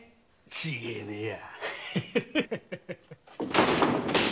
違いねえや。